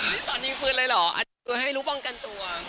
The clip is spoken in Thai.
ไม่สอนยิงปืนเลยหรออาจจะให้ลูกบางกันตัว